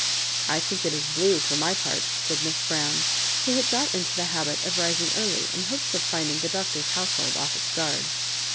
I think it is blue, for my part," said Miss Brown, who had got into the habit ef rising early in hopes of finding the Doctor's household off^its guard.